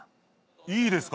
いいですか？